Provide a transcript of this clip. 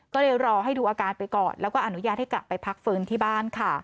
ก็เลยรอให้ดูอาการไปก่อนแล้วก็อนุญาตให้กลับไปพักฟื้นที่บ้านค่ะ